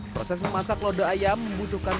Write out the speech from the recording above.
proses memasak lodo ayam membutuhkan